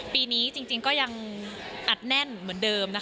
ปีนี้จริงก็ยังอัดแน่นเหมือนเดิม